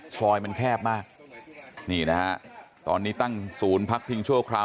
ซอยมันแคบมากนี่นะฮะตอนนี้ตั้งศูนย์พักพิงชั่วคราว